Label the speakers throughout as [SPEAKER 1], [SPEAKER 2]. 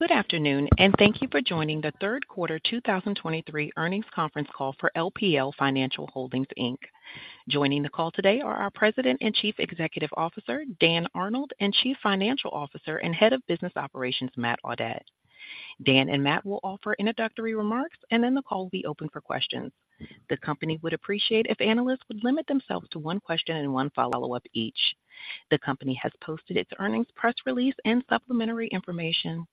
[SPEAKER 1] Good afternoon, and thank you for joining the third quarter 2023 earnings conference call for LPL Financial Holdings, Inc. Joining the call today are our President and Chief Executive Officer, Dan Arnold, and Chief Financial Officer and Head of Business Operations, Matt Audette. Dan and Matt will offer introductory remarks, and then the call will be open for questions. The company would appreciate if analysts would limit themselves to one question and one follow-up each. The company has posted its earnings press release and supplementary information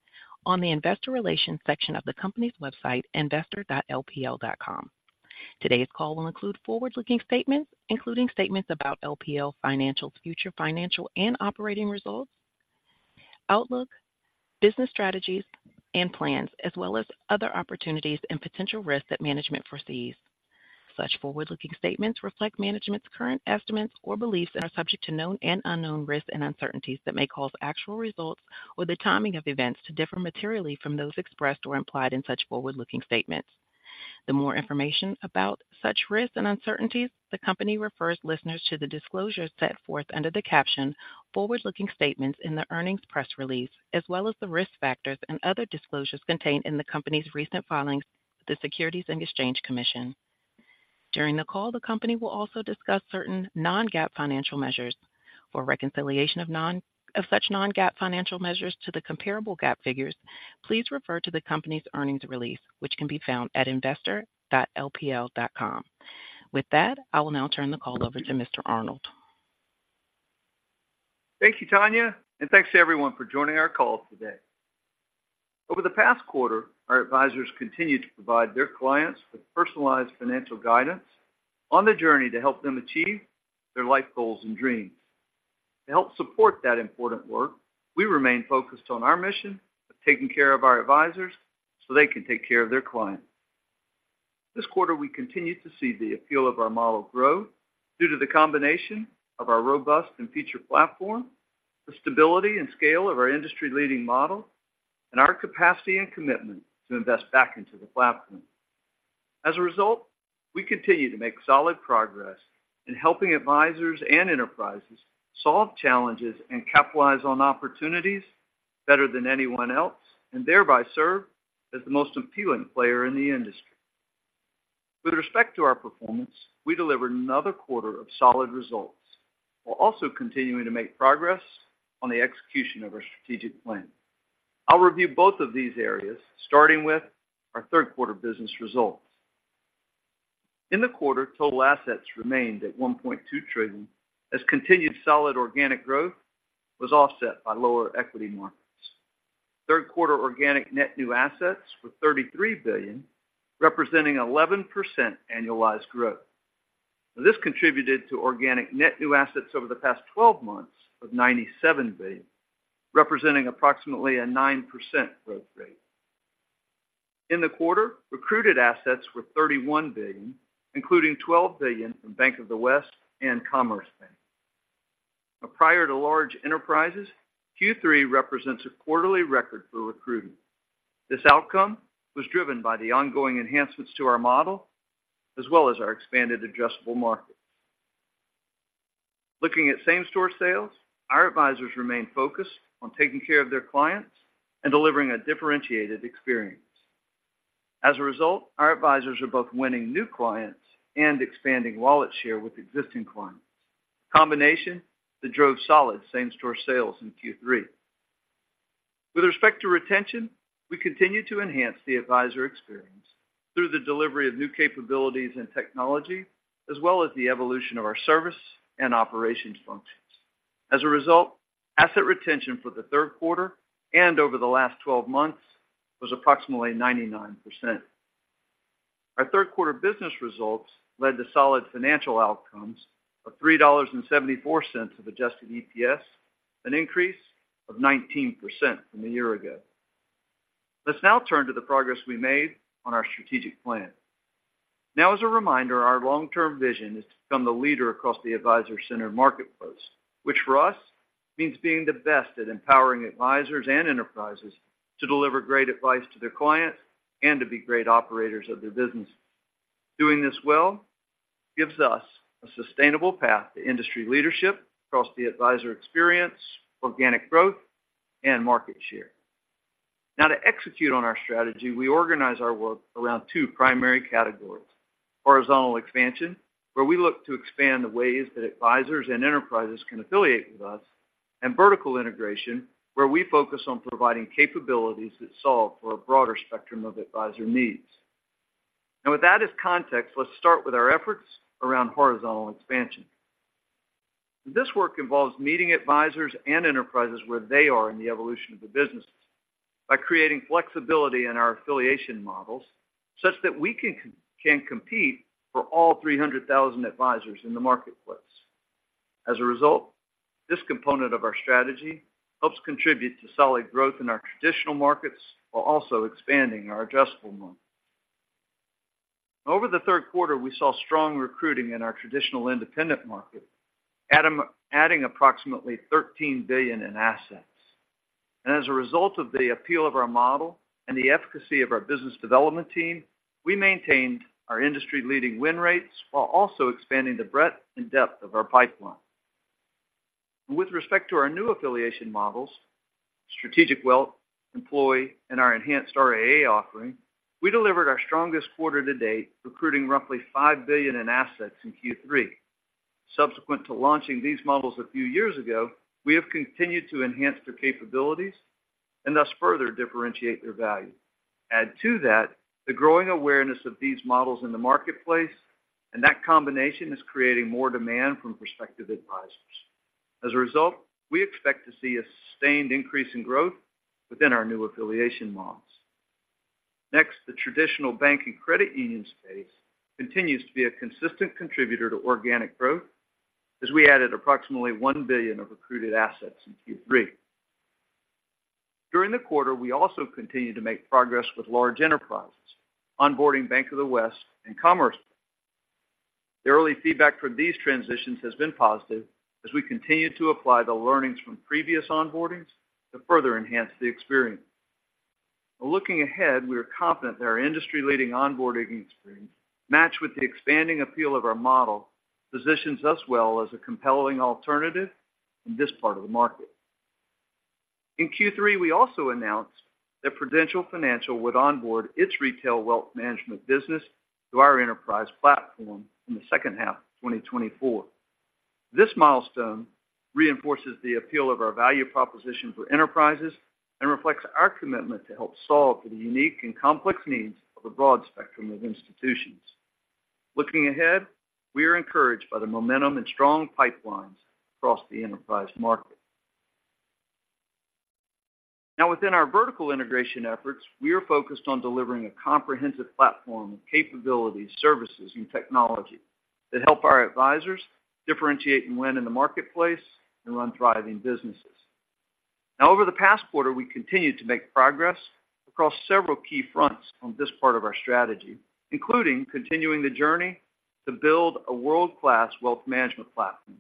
[SPEAKER 1] on the investor relations section of the company's website, investor.lpl.com. Today's call will include forward-looking statements, including statements about LPL Financial's future financial and operating results, outlook, business strategies and plans, as well as other opportunities and potential risks that management foresees. Such forward-looking statements reflect management's current estimates or beliefs and are subject to known and unknown risks and uncertainties that may cause actual results or the timing of events to differ materially from those expressed or implied in such forward-looking statements. For more information about such risks and uncertainties, the company refers listeners to the disclosures set forth under the caption Forward-Looking Statements in the earnings press release, as well as the risk factors and other disclosures contained in the company's recent filings with the Securities and Exchange Commission. During the call, the company will also discuss certain non-GAAP financial measures. For reconciliation of such non-GAAP financial measures to the comparable GAAP figures, please refer to the company's earnings release, which can be found at investor.lpl.com. With that, I will now turn the call over to Mr. Arnold.
[SPEAKER 2] Thank you, Tanya, and thanks to everyone for joining our call today. Over the past quarter, our advisors continued to provide their clients with personalized financial guidance on the journey to help them achieve their life goals and dreams. To help support that important work, we remain focused on our mission of taking care of our advisors so they can take care of their clients. This quarter, we continued to see the appeal of our model grow due to the combination of our robust and feature platform, the stability and scale of our industry-leading model, and our capacity and commitment to invest back into the platform. As a result, we continue to make solid progress in helping advisors and enterprises solve challenges and capitalize on opportunities better than anyone else, and thereby serve as the most appealing player in the industry. With respect to our performance, we delivered another quarter of solid results, while also continuing to make progress on the execution of our strategic plan. I'll review both of these areas, starting with our third quarter business results. In the quarter, total assets remained at $1.2 trillion, as continued solid organic growth was offset by lower equity markets. Third quarter organic net new assets were $33 billion, representing 11% annualized growth. This contributed to organic net new assets over the past 12 months of $97 billion, representing approximately a 9% growth rate. In the quarter, recruited assets were $31 billion, including $12 billion from Bank of the West and Commerce Bank. Prior to large enterprises, Q3 represents a quarterly record for recruiting. This outcome was driven by the ongoing enhancements to our model, as well as our expanded adjustable markets. Looking at same-store sales, our advisors remain focused on taking care of their clients and delivering a differentiated experience. As a result, our advisors are both winning new clients and expanding wallet share with existing clients. A combination that drove solid same-store sales in Q3. With respect to retention, we continue to enhance the advisor experience through the delivery of new capabilities and technology, as well as the evolution of our service and operations functions. As a result, asset retention for the third quarter and over the last twelve months was approximately 99%. Our third quarter business results led to solid financial outcomes of $3.74 of adjusted EPS, an increase of 19% from a year ago. Let's now turn to the progress we made on our strategic plan. Now, as a reminder, our long-term vision is to become the leader across the advisor-centered marketplace, which for us means being the best at empowering advisors and enterprises to deliver great advice to their clients and to be great operators of their business. Doing this well gives us a sustainable path to industry leadership across the advisor experience, organic growth, and market share. Now, to execute on our strategy, we organize our work around two primary categories: horizontal expansion, where we look to expand the ways that advisors and enterprises can affiliate with us, and vertical integration, where we focus on providing capabilities that solve for a broader spectrum of advisor needs. And with that as context, let's start with our efforts around horizontal expansion. This work involves meeting advisors and enterprises where they are in the evolution of the businesses by creating flexibility in our affiliation models such that we can compete for all 300,000 advisors in the marketplace. As a result, this component of our strategy helps contribute to solid growth in our traditional markets, while also expanding our adjustable model. Over the third quarter, we saw strong recruiting in our traditional independent market, adding approximately $13 billion in assets. And as a result of the appeal of our model and the efficacy of our business development team, we maintained our industry-leading win rates while also expanding the breadth and depth of our pipeline.... With respect to our new affiliation models, Strategic Wealth, employee, and our enhanced RIA offering, we delivered our strongest quarter to date, recruiting roughly $5 billion in assets in Q3. Subsequent to launching these models a few years ago, we have continued to enhance their capabilities and thus further differentiate their value. Add to that, the growing awareness of these models in the marketplace, and that combination is creating more demand from prospective advisors. As a result, we expect to see a sustained increase in growth within our new affiliation models. Next, the traditional bank and credit union space continues to be a consistent contributor to organic growth, as we added approximately $1 billion of recruited assets in Q3. During the quarter, we also continued to make progress with large enterprises, onboarding Bank of the West and Commerce. The early feedback from these transitions has been positive, as we continue to apply the learnings from previous onboardings to further enhance the experience. Looking ahead, we are confident that our industry-leading onboarding experience, matched with the expanding appeal of our model, positions us well as a compelling alternative in this part of the market. In Q3, we also announced that Prudential Financial would onboard its retail wealth management business to our enterprise platform in the second half of 2024. This milestone reinforces the appeal of our value proposition for enterprises and reflects our commitment to help solve for the unique and complex needs of a broad spectrum of institutions. Looking ahead, we are encouraged by the momentum and strong pipelines across the enterprise market. Now, within our vertical integration efforts, we are focused on delivering a comprehensive platform of capabilities, services, and technology that help our advisors differentiate and win in the marketplace and run thriving businesses. Now, over the past quarter, we continued to make progress across several key fronts on this part of our strategy, including continuing the journey to build a world-class wealth management platform.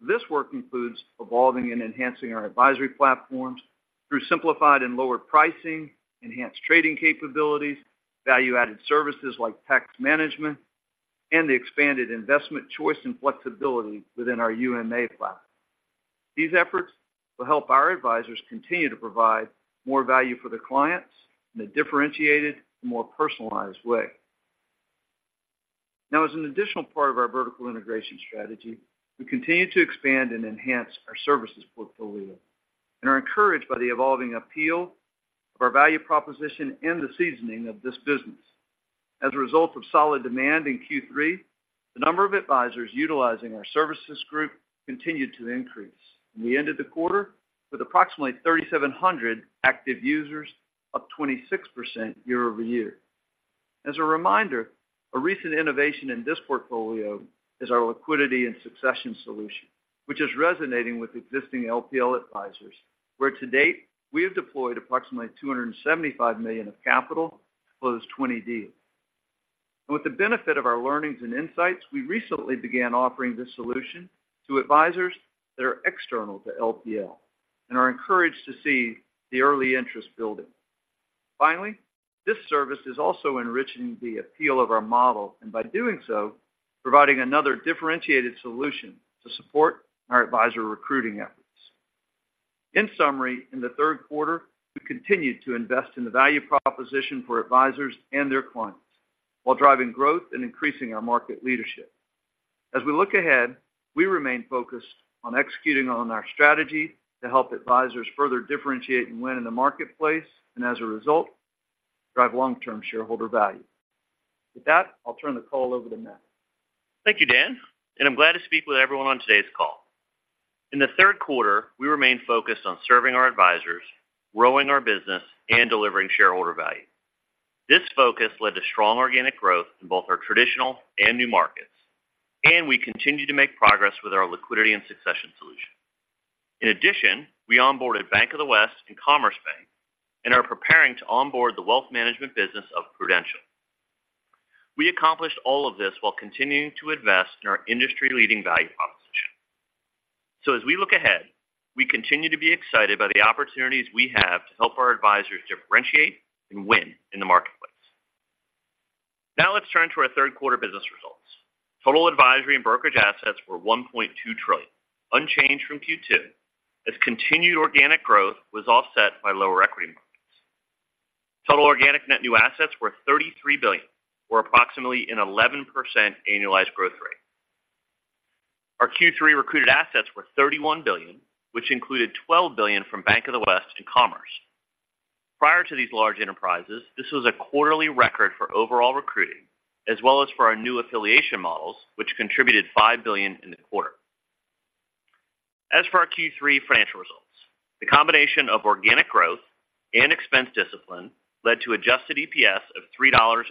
[SPEAKER 2] This work includes evolving and enhancing our advisory platforms through simplified and lower pricing, enhanced trading capabilities, value-added services like tax management, and the expanded investment choice and flexibility within our UMA platform. These efforts will help our advisors continue to provide more value for their clients in a differentiated, more personalized way. Now, as an additional part of our vertical integration strategy, we continue to expand and enhance our services portfolio, and are encouraged by the evolving appeal of our value proposition and the seasoning of this business. As a result of solid demand in Q3, the number of advisors utilizing our Services Group continued to increase, and we ended the quarter with approximately 3,700 active users, up 26% year-over-year. As a reminder, a recent innovation in this portfolio is our Liquidity and Succession solution, which is resonating with existing LPL advisors, where to date, we have deployed approximately $275 million of capital to close 20 deals. And with the benefit of our learnings and insights, we recently began offering this solution to advisors that are external to LPL and are encouraged to see the early interest building. Finally, this service is also enriching the appeal of our model, and by doing so, providing another differentiated solution to support our advisor recruiting efforts. In summary, in the third quarter, we continued to invest in the value proposition for advisors and their clients while driving growth and increasing our market leadership. As we look ahead, we remain focused on executing on our strategy to help advisors further differentiate and win in the marketplace, and as a result, drive long-term shareholder value. With that, I'll turn the call over to Matt.
[SPEAKER 3] Thank you, Dan, and I'm glad to speak with everyone on today's call. In the third quarter, we remained focused on serving our advisors, growing our business, and delivering shareholder value. This focus led to strong organic growth in both our traditional and new markets, and we continue to make progress with our Liquidity and Succession solution. In addition, we onboarded Bank of the West and Commerce Bank, and are preparing to onboard the wealth management business of Prudential. We accomplished all of this while continuing to invest in our industry-leading value proposition. So as we look ahead, we continue to be excited by the opportunities we have to help our advisors differentiate and win in the marketplace. Now let's turn to our third quarter business results. Total advisory and brokerage assets were $1.2 trillion, unchanged from Q2, as continued organic growth was offset by lower equity markets. Total organic net new assets were $33 billion, or approximately an 11% annualized growth rate. Our Q3 recruited assets were $31 billion, which included $12 billion from Bank of the West and Commerce. Prior to these large enterprises, this was a quarterly record for overall recruiting, as well as for our new affiliation models, which contributed $5 billion in the quarter. As for our Q3 financial results, the combination of organic growth and expense discipline led to Adjusted EPS of $3.74.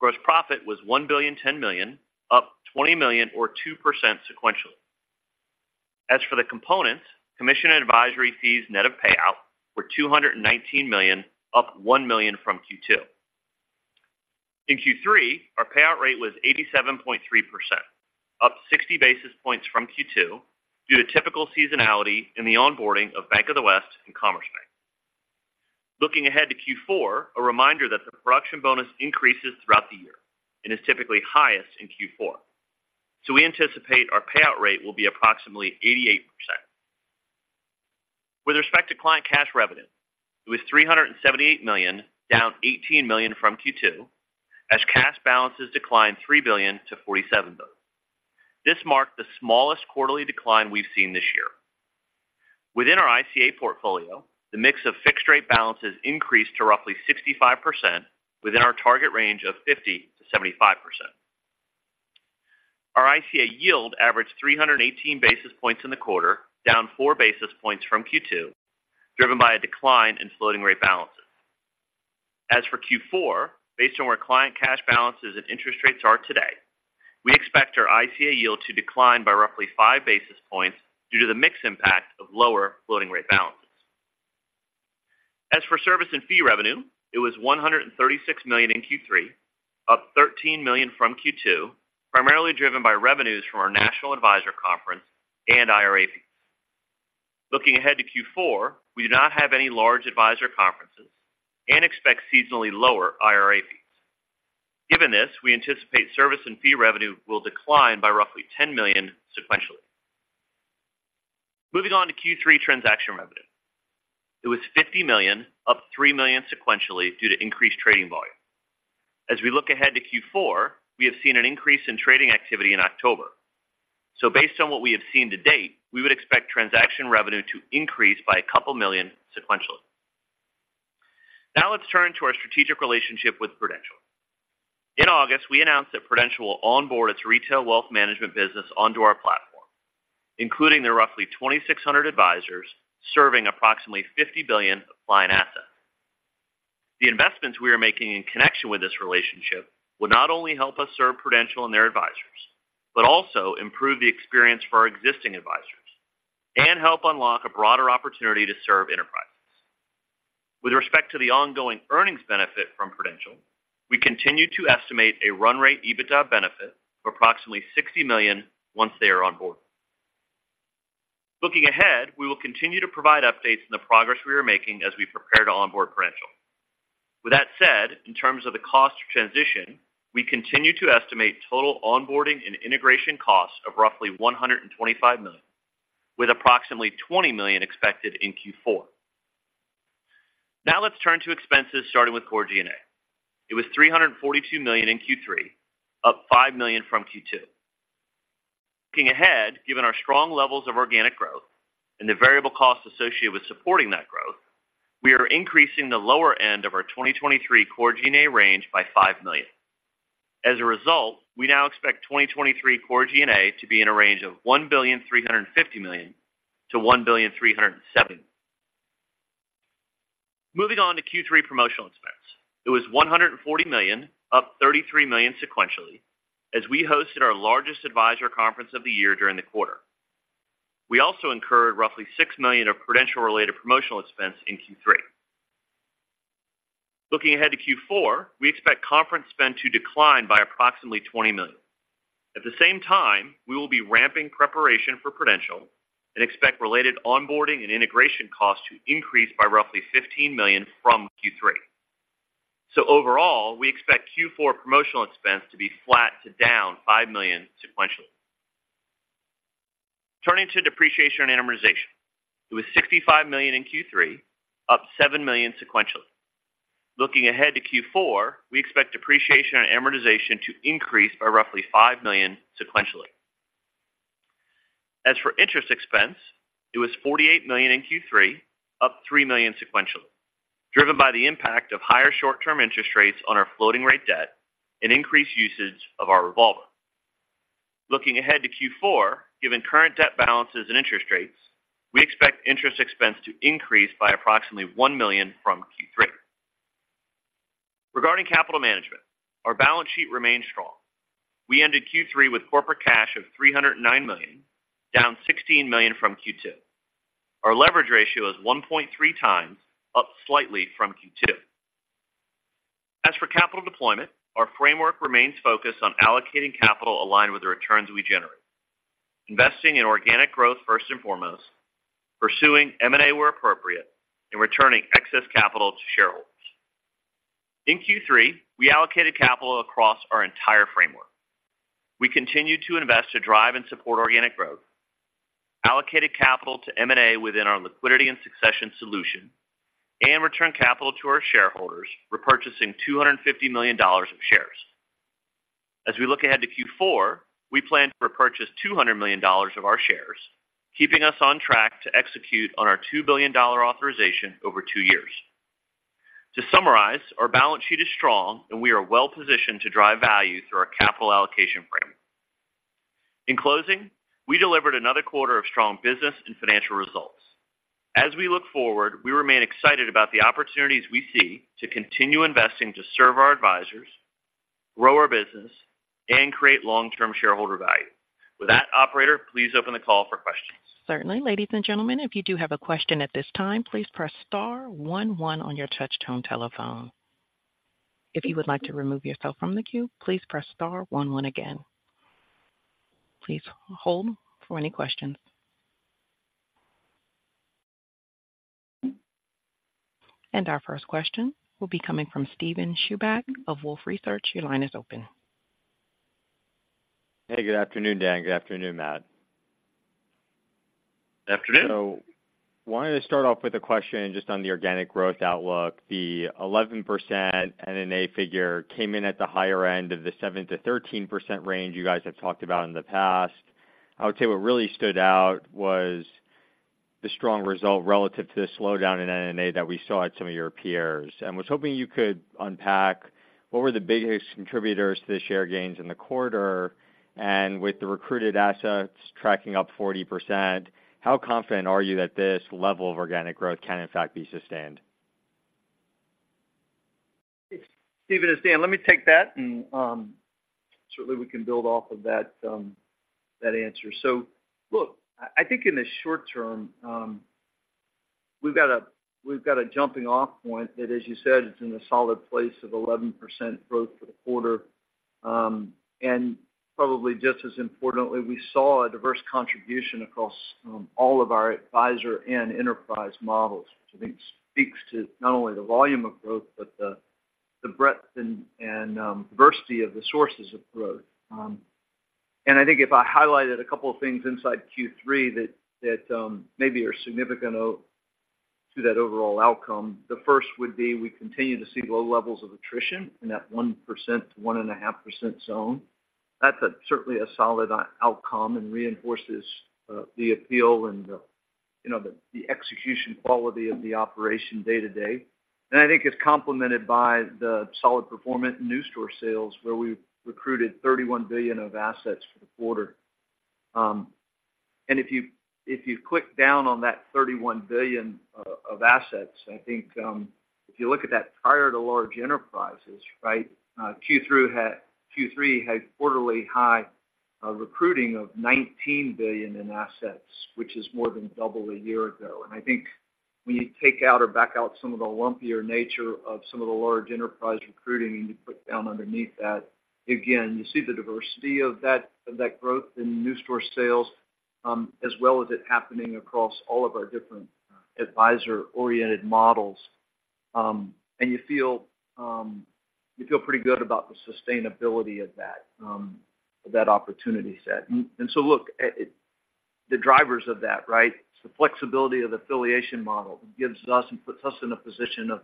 [SPEAKER 3] Gross profit was $1.01 billion, up $20 million or 2% sequentially. As for the components, commission and advisory fees net of payout were $219 million, up $1 million from Q2. In Q3, our payout rate was 87.3%, up 60 basis points from Q2, due to typical seasonality in the onboarding of Bank of the West and Commerce Bank. Looking ahead to Q4, a reminder that the production bonus increases throughout the year and is typically highest in Q4. So we anticipate our payout rate will be approximately 88%. With respect to client cash revenue, it was $378 million, down $18 million from Q2, as cash balances declined $3 billion to $47 billion. This marked the smallest quarterly decline we've seen this year. Within our ICA portfolio, the mix of fixed-rate balances increased to roughly 65% within our target range of 50%-75%. Our ICA yield averaged 318 basis points in the quarter, down 4 basis points from Q2, driven by a decline in floating rate balances. As for Q4, based on where client cash balances and interest rates are today, we expect our ICA yield to decline by roughly 5 basis points due to the mix impact of lower floating rate balances. As for service and fee revenue, it was $136 million in Q3, up $13 million from Q2, primarily driven by revenues from our National Advisor Conference and IRA fees. Looking ahead to Q4, we do not have any large advisor conferences and expect seasonally lower IRA fees. Given this, we anticipate service and fee revenue will decline by roughly $10 million sequentially. Moving on to Q3 transaction revenue. It was $50 million, up $3 million sequentially, due to increased trading volume. As we look ahead to Q4, we have seen an increase in trading activity in October. Based on what we have seen to date, we would expect transaction revenue to increase by $2 million sequentially. Now let's turn to our strategic relationship with Prudential. In August, we announced that Prudential will onboard its retail wealth management business onto our platform, including the roughly 2,600 advisors serving approximately $50 billion of client assets. The investments we are making in connection with this relationship will not only help us serve Prudential and their advisors, but also improve the experience for our existing advisors and help unlock a broader opportunity to serve enterprises. With respect to the ongoing earnings benefit from Prudential, we continue to estimate a run rate EBITDA benefit of approximately $60 million once they are on board. Looking ahead, we will continue to provide updates on the progress we are making as we prepare to onboard Prudential. With that said, in terms of the cost of transition, we continue to estimate total onboarding and integration costs of roughly $125 million, with approximately $20 million expected in Q4. Now let's turn to expenses, starting with Core G&A. It was $342 million in Q3, up $5 million from Q2. Looking ahead, given our strong levels of organic growth and the variable costs associated with supporting that growth, we are increasing the lower end of our 2023 Core G&A range by $5 million. As a result, we now expect 2023 Core G&A to be in a range of $1.35 billion-$1.37 billion. Moving on to Q3 promotional expense. It was $140 million, up $33 million sequentially, as we hosted our largest advisor conference of the year during the quarter. We also incurred roughly $6 million of Prudential-related promotional expense in Q3. Looking ahead to Q4, we expect conference spend to decline by approximately $20 million. At the same time, we will be ramping preparation for Prudential and expect related onboarding and integration costs to increase by roughly $15 million from Q3. So overall, we expect Q4 promotional expense to be flat to down $5 million sequentially. Turning to depreciation and amortization, it was $65 million in Q3, up $7 million sequentially. Looking ahead to Q4, we expect depreciation and amortization to increase by roughly $5 million sequentially. As for interest expense, it was $48 million in Q3, up $3 million sequentially, driven by the impact of higher short-term interest rates on our floating rate debt and increased usage of our revolver. Looking ahead to Q4, given current debt balances and interest rates, we expect interest expense to increase by approximately $1 million from Q3. Regarding capital management, our balance sheet remains strong. We ended Q3 with corporate cash of $309 million, down $16 million from Q2. Our leverage ratio is 1.3 times, up slightly from Q2. As for capital deployment, our framework remains focused on allocating capital aligned with the returns we generate, investing in organic growth first and foremost, pursuing M&A where appropriate, and returning excess capital to shareholders. In Q3, we allocated capital across our entire framework. We continued to invest to drive and support organic growth, allocated capital to M&A within our Liquidity and Succession solution, and returned capital to our shareholders, repurchasing $250 million of shares. As we look ahead to Q4, we plan to repurchase $200 million of our shares, keeping us on track to execute on our $2 billion authorization over two years. To summarize, our balance sheet is strong, and we are well positioned to drive value through our capital allocation framework. In closing, we delivered another quarter of strong business and financial results. As we look forward, we remain excited about the opportunities we see to continue investing to serve our advisors, grow our business, and create long-term shareholder value. With that, operator, please open the call for questions.
[SPEAKER 1] Certainly. Ladies and gentlemen, if you do have a question at this time, please press star one one on your touchtone telephone. If you would like to remove yourself from the queue, please press star one one again.... Please hold for any questions. Our first question will be coming from Steven Chubak of Wolfe Research. Your line is open.
[SPEAKER 4] Hey, good afternoon, Dan. Good afternoon, Matt.
[SPEAKER 2] Afternoon.
[SPEAKER 4] Wanted to start off with a question just on the organic growth outlook. The 11% NNA figure came in at the higher end of the 7%-13% range you guys have talked about in the past. I would say what really stood out was the strong result relative to the slowdown in NNA that we saw at some of your peers. Was hoping you could unpack what were the biggest contributors to the share gains in the quarter, and with the recruited assets tracking up 40%, how confident are you that this level of organic growth can in fact be sustained?
[SPEAKER 2] Steven, it's Dan. Let me take that, and certainly we can build off of that, that answer. So look, I, I think in the short term, we've got a, we've got a jumping off point that, as you said, it's in a solid place of 11% growth for the quarter. And probably just as importantly, we saw a diverse contribution across, all of our advisor and enterprise models, which I think speaks to not only the volume of growth, but the, the breadth and, and, diversity of the sources of growth. And I think if I highlighted a couple of things inside Q3 that, that, maybe are significant to that overall outcome, the first would be we continue to see low levels of attrition in that 1%-1.5% zone. That's certainly a solid outcome and reinforces the appeal and, you know, the execution quality of the operation day to day. And I think it's complemented by the solid performance in new store sales, where we recruited $31 billion of assets for the quarter. And if you click down on that $31 billion of assets, I think if you look at that prior to large enterprises, right, Q3 had quarterly high recruiting of $19 billion in assets, which is more than double a year ago. I think when you take out or back out some of the lumpier nature of some of the large enterprise recruiting, and you put down underneath that, again, you see the diversity of that, of that growth in same-store sales, as well as it happening across all of our different, advisor-oriented models. And you feel, you feel pretty good about the sustainability of that, that opportunity set. And so look, the drivers of that, right? It's the flexibility of the affiliation model. It gives us and puts us in a position of,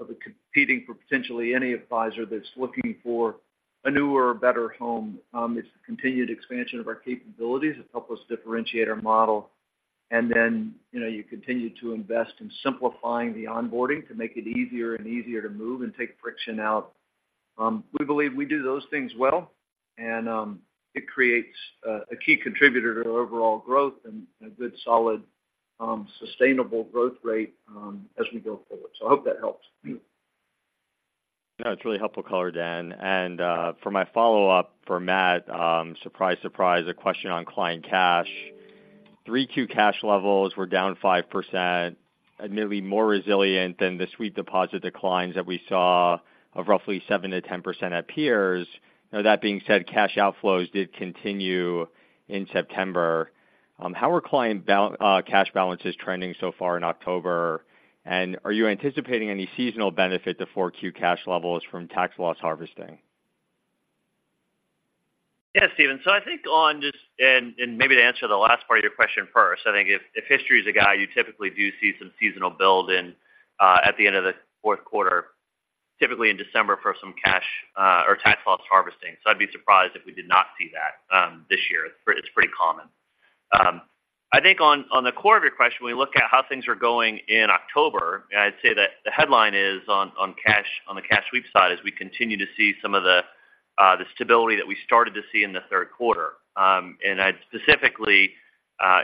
[SPEAKER 2] of competing for potentially any advisor that's looking for a newer or better home. It's the continued expansion of our capabilities that help us differentiate our model. And then, you know, you continue to invest in simplifying the onboarding to make it easier and easier to move and take friction out. We believe we do those things well, and it creates a key contributor to overall growth and a good, solid sustainable growth rate as we go forward. So I hope that helps.
[SPEAKER 4] No, it's really helpful color, Dan. And, for my follow-up for Matt, surprise, surprise, a question on client cash. 3Q cash levels were down 5%, admittedly more resilient than the sweep deposit declines that we saw of roughly 7%-10% at peers. Now, that being said, cash outflows did continue in September. How are client bal, cash balances trending so far in October? And are you anticipating any seasonal benefit to 4Q cash levels from tax loss harvesting?
[SPEAKER 3] Yeah, Steven. I think on just... and maybe to answer the last part of your question first, I think if history is a guide, you typically do see some seasonal build at the end of the fourth quarter, typically in December, for some cash or tax loss harvesting. I'd be surprised if we did not see that this year. It's pretty common. I think on the core of your question, when you look at how things are going in October, I'd say that the headline is on cash, on the cash sweep side, we continue to see some of the stability that we started to see in the third quarter. I'd specifically, you know,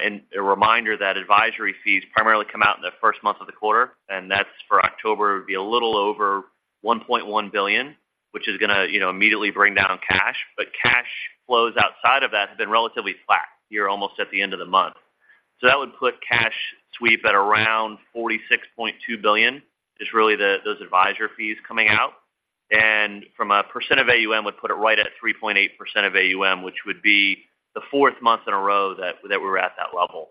[SPEAKER 3] and a reminder that advisory fees primarily come out in the first month of the quarter, and that's for October, it would be a little over $1.1 billion, which is going to, you know, immediately bring down cash. But cash flows outside of that have been relatively flat here, almost at the end of the month. That would put cash sweep at around $46.2 billion, is really the—those advisor fees coming out. From a percent of AUM, would put it right at 3.8% of AUM, which would be the fourth month in a row that, that we're at that level.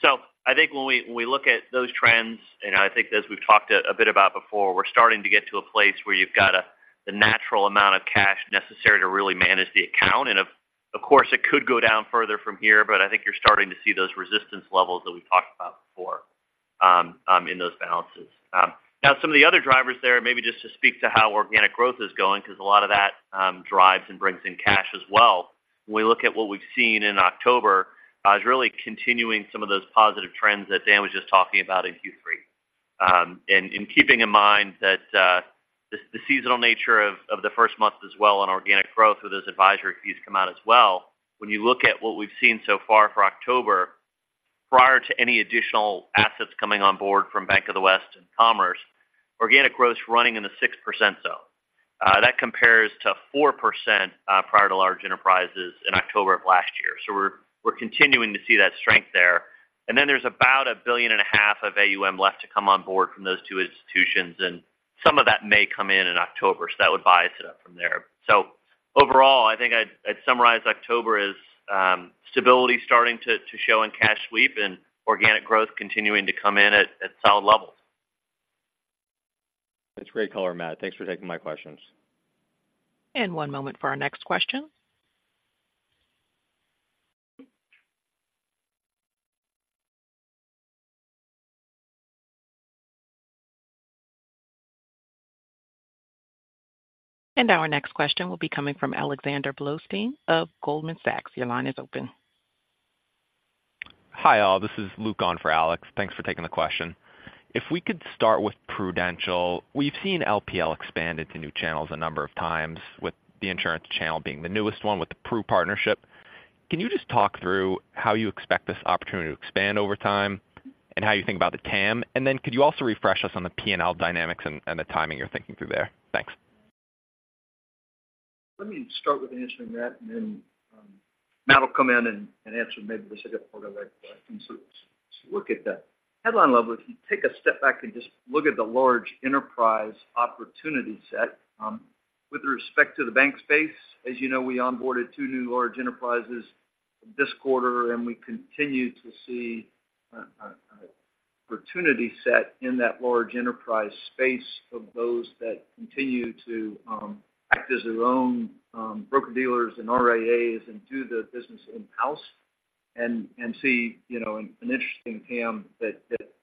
[SPEAKER 3] So I think when we, when we look at those trends, and I think as we've talked a bit about before, we're starting to get to a place where you've got the natural amount of cash necessary to really manage the account. And of course, it could go down further from here, but I think you're starting to see those resistance levels that we've talked about before in those balances. Now, some of the other drivers there, maybe just to speak to how organic growth is going, because a lot of that drives and brings in cash as well. When we look at what we've seen in October is really continuing some of those positive trends that Dan was just talking about in Q3. And keeping in mind that the seasonal nature of the first month as well, on organic growth, where those advisory fees come out as well. When you look at what we've seen so far for October, prior to any additional assets coming on board from Bank of the West and Commerce, organic growth is running in the 6% zone. That compares to 4% prior to large enterprises in October of last year. We're continuing to see that strength there. There's about $1.5 billion of AUM left to come on board from those two institutions, and some of that may come in in October, so that would bias it up from there. Overall, I think I'd summarize October as stability starting to show in cash sweep and organic growth continuing to come in at solid levels.
[SPEAKER 4] That's great color, Matt. Thanks for taking my questions.
[SPEAKER 1] One moment for our next question. Our next question will be coming from Alexander Blostein of Goldman Sachs. Your line is open.
[SPEAKER 5] Hi, all. This is Luke on for Alex. Thanks for taking the question. If we could start with Prudential. We've seen LPL expand into new channels a number of times, with the insurance channel being the newest one with the Pru partnership. Can you just talk through how you expect this opportunity to expand over time and how you think about the TAM? And then could you also refresh us on the P&L dynamics and the timing you're thinking through there? Thanks.
[SPEAKER 2] Let me start with answering that, and then Matt will come in and answer maybe the second part of that. So look at the headline level. If you take a step back and just look at the large enterprise opportunity set, with respect to the bank space, as you know, we onboarded 2 new large enterprises this quarter, and we continue to see an opportunity set in that large enterprise space of those that continue to act as their own broker-dealers and RIAs and do the business in-house and see, you know, an interesting TAM that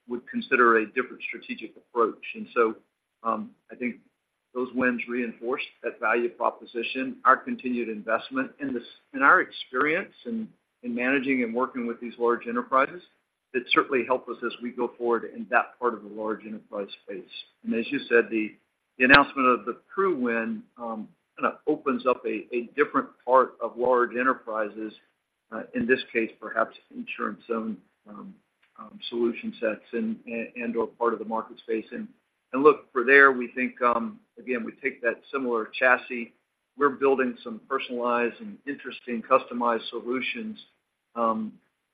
[SPEAKER 2] would consider a different strategic approach. And so, I think those wins reinforce that value proposition, our continued investment in this. In our experience in managing and working with these large enterprises, it certainly helped us as we go forward in that part of the large enterprise space. As you said, the announcement of the Pru win kind of opens up a different part of large enterprises, in this case, perhaps insurance-owned solution sets and/or part of the market space. Look, for there, we think, again, we take that similar chassis. We're building some personalized and interesting customized solutions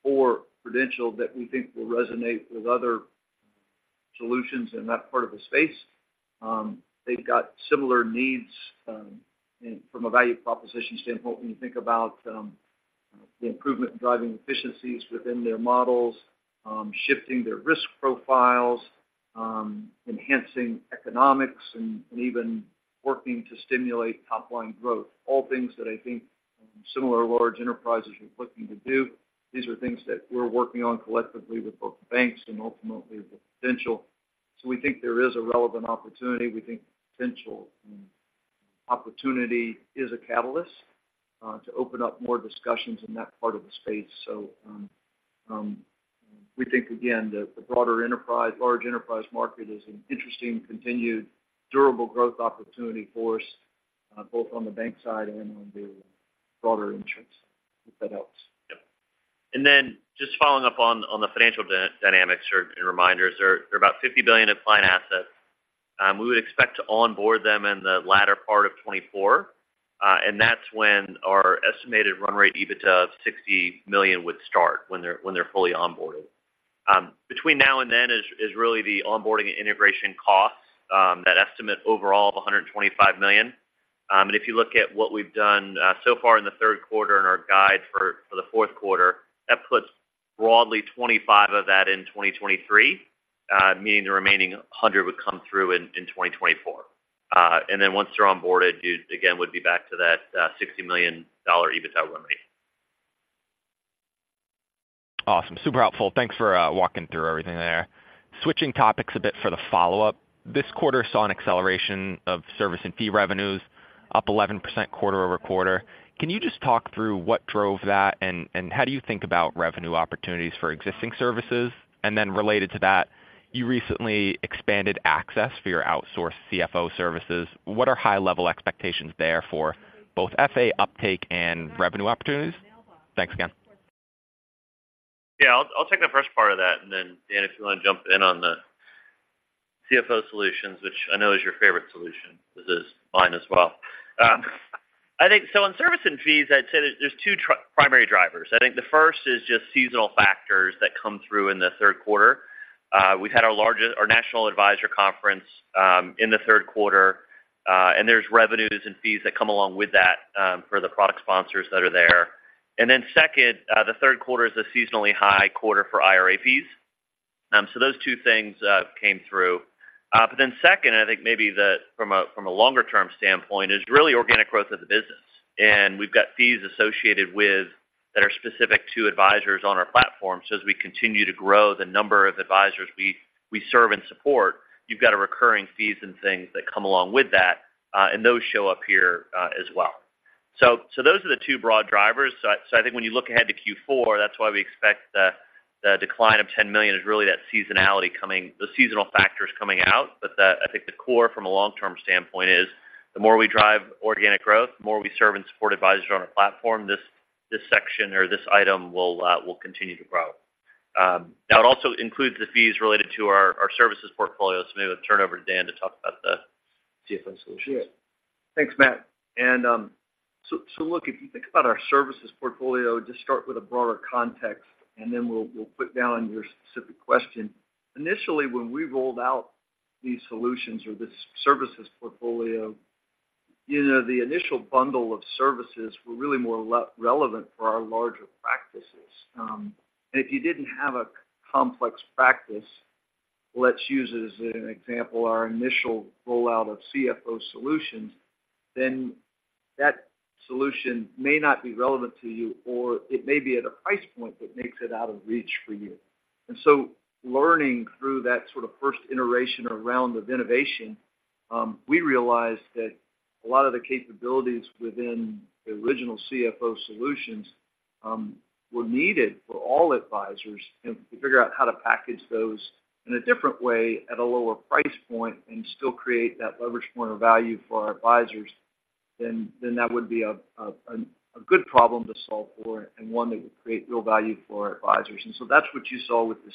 [SPEAKER 2] for Prudential that we think will resonate with other solutions in that part of the space. They've got similar needs, from a value proposition standpoint, when you think about the improvement in driving efficiencies within their models, shifting their risk profiles, enhancing economics and even working to stimulate top-line growth. All things that I think similar large enterprises are looking to do. These are things that we're working on collectively with both the banks and ultimately with Prudential. So we think there is a relevant opportunity. We think Prudential opportunity is a catalyst to open up more discussions in that part of the space. So, we think, again, the broader enterprise, large enterprise market is an interesting, continued, durable growth opportunity for us, both on the bank side and on the broader insurance, if that helps.
[SPEAKER 3] Yep. And then just following up on the financial dynamics or and reminders, there are about $50 billion in client assets. We would expect to onboard them in the latter part of 2024, and that's when our estimated run rate EBITDA of $60 million would start, when they're fully onboarded. Between now and then is really the onboarding and integration costs, that estimate overall of $125 million. And if you look at what we've done so far in the third quarter and our guide for the fourth quarter, that puts broadly 25 of that in 2023, meaning the remaining 100 would come through in 2024. And then once they're onboarded, you again would be back to that $60 million EBITDA run rate.
[SPEAKER 5] Awesome. Super helpful. Thanks for walking through everything there. Switching topics a bit for the follow-up. This quarter saw an acceleration of service and fee revenues, up 11% quarter-over-quarter. Can you just talk through what drove that, and, and how do you think about revenue opportunities for existing services? And then related to that, you recently expanded access for your outsourced CFO services. What are high-level expectations there for both FA uptake and revenue opportunities? Thanks again.
[SPEAKER 3] Yeah, I'll take the first part of that, and then, Dan, if you want to jump in on the CFO Solutions, which I know is your favorite solution, this is mine as well. I think in service and fees, I'd say there's two primary drivers. I think the first is just seasonal factors that come through in the third quarter. We've had our largest, our National Advisor Conference, in the third quarter, and there's revenues and fees that come along with that, for the product sponsors that are there. The third quarter is a seasonally high quarter for IRA fees. Those two things came through. I think maybe from a longer-term standpoint, it's really organic growth of the business. And we've got fees associated with, that are specific to advisors on our platform. So as we continue to grow the number of advisors we serve and support, you've got a recurring fees and things that come along with that, and those show up here, as well. So those are the two broad drivers. So I think when you look ahead to Q4, that's why we expect the decline of $10 million is really that seasonality coming, the seasonal factors coming out. But I think the core from a long-term standpoint is, the more we drive organic growth, the more we serve and support advisors on our platform, this section or this item will continue to grow. Now, it also includes the fees related to our services portfolio. So maybe I'll turn over to Dan to talk about the-
[SPEAKER 2] ...CFO solutions. Thanks, Matt. If you think about our services portfolio, just start with a broader context, and then we'll put down your specific question. Initially, when we rolled out these solutions or this services portfolio, you know, the initial bundle of services were really more relevant for our larger practices. If you didn't have a complex practice, let's use as an example, our initial rollout of CFO solutions, then that solution may not be relevant to you, or it may be at a price point that makes it out of reach for you. And so learning through that sort of first iteration or round of innovation, we realized that a lot of the capabilities within the original CFO Solutions were needed for all advisors, and to figure out how to package those in a different way at a lower price point and still create that leverage point of value for our advisors, then that would be a good problem to solve for and one that would create real value for our advisors. And so that's what you saw with this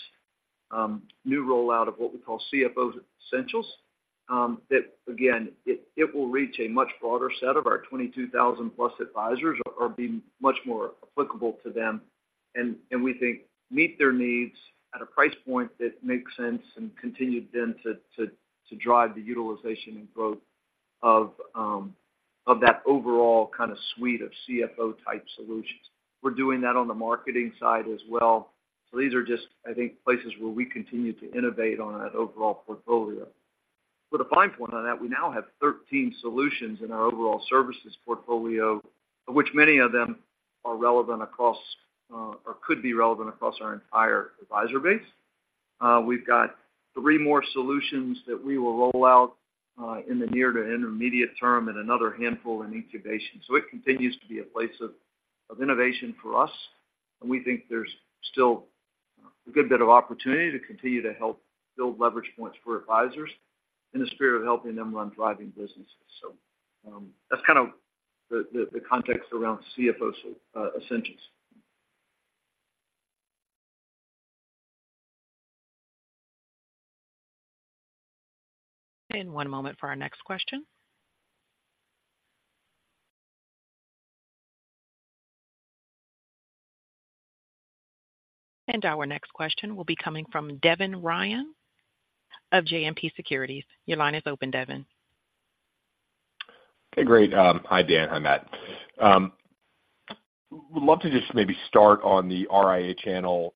[SPEAKER 2] new rollout of what we call CFO Essentials. That again, it will reach a much broader set of our 22,000+ advisors or be much more applicable to them, and we think meet their needs at a price point that makes sense and continue then to drive the utilization and growth of that overall kind of suite of CFO-type solutions. We're doing that on the marketing side as well. So these are just, I think, places where we continue to innovate on that overall portfolio. With a fine point on that, we now have 13 solutions in our overall services portfolio, of which many of them are relevant across or could be relevant across our entire advisor base. We've got three more solutions that we will roll out in the near to intermediate term and another handful in incubation. So it continues to be a place of innovation for us, and we think there's still a good bit of opportunity to continue to help build leverage points for advisors in the spirit of helping them run thriving businesses. So that's kind of the context around CFO Essentials.
[SPEAKER 1] One moment for our next question. Our next question will be coming from Devin Ryan of JMP Securities. Your line is open, Devin.
[SPEAKER 6] Hey, great. Hi, Dan. Hi, Matt. Would love to just maybe start on the RIA channel,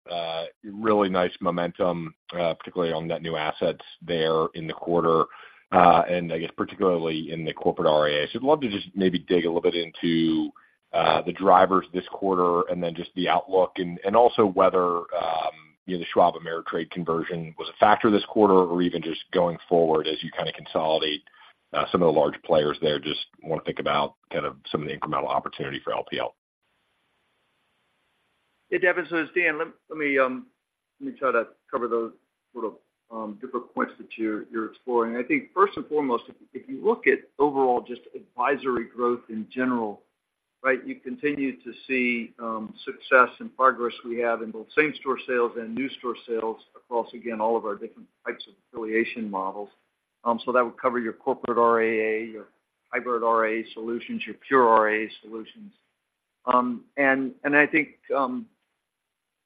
[SPEAKER 6] really nice momentum, particularly on net new assets there in the quarter, and I guess particularly in the corporate RIA. So I'd love to just maybe dig a little bit into the drivers this quarter and then just the outlook, and also whether, you know, the Schwab Ameritrade conversion was a factor this quarter or even just going forward as you kind of consolidate some of the large players there. Just want to think about kind of some of the incremental opportunity for LPL.
[SPEAKER 2] Hey, Devin. It's Dan, let me try to cover those sort of different points that you're exploring. I think first and foremost, if you look at overall just advisory growth in general, right, you continue to see success and progress we have in both same-store sales and new store sales across, again, all of our different types of affiliation models. That would cover your corporate RIA, your hybrid RIA solutions, your pure RIA solutions. I think